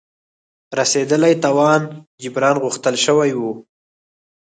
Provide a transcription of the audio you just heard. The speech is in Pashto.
رسېدلي تاوان جبران غوښتل شوی وو.